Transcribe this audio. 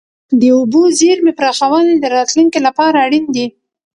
د اوبو زیرمې پراخول د راتلونکي لپاره اړین دي.